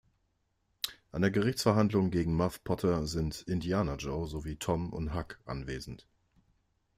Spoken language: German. An der Gerichtsverhandlung gegen Muff Potter sind Indianer-Joe sowie Tom und Huck anwesend.